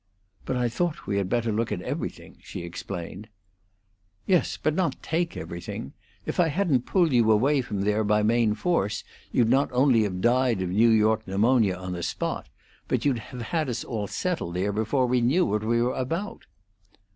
"But I thought we had better look at everything," she explained. "Yes, but not take everything. If I hadn't pulled you away from there by main force you'd have not only died of New York pneumonia on the spot, but you'd have had us all settled there before we knew what we were about."